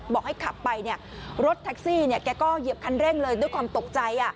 บอกให้ขับไปรถแท็กซี่แกก็เหยียบคันเร่งเลยด้วยความตกใจ